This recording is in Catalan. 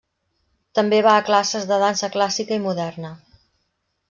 També va a classes de dansa clàssica i moderna.